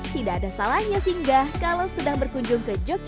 tidak ada salahnya singgah kalau sedang berkunjung ke yogyakarta